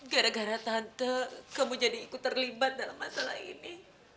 gara gara tante kamu jadi ikut terlibat dalam masalah ini